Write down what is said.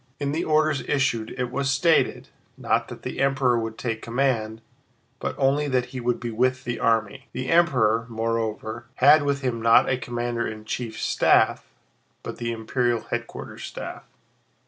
In the orders issued it was stated, not that the Emperor would take command, but only that he would be with the army. The Emperor, moreover, had with him not a commander in chief's staff but the imperial headquarters staff.